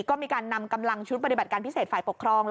ก็มีการนำกำลังชุดปฏิบัติการพิเศษฝ่ายปกครอง